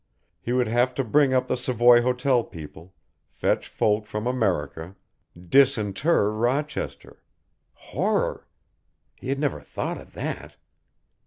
He would have to bring up the Savoy Hotel people, fetch folk from America disinter Rochester. Horror! He had never thought of that.